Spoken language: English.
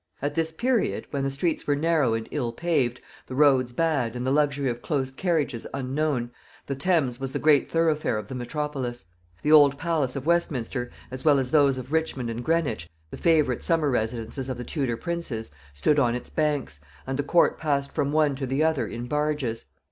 At this period, when the streets were narrow and ill paved, the roads bad, and the luxury of close carriages unknown, the Thames was the great thoroughfare of the metropolis. The old palace of Westminster, as well as those of Richmond and Greenwich, the favorite summer residences of the Tudor princes, stood on its banks, and the court passed from one to the other in barges.